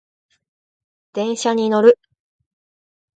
電車に乗る